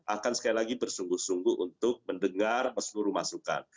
akan sekali lagi bersungguh sungguh untuk mendengar seluruh masukan